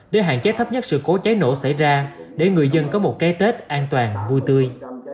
để hạn chế thấp nhất sự cố cháy nổ xảy ra để người dân có một cái tết an toàn vui tươi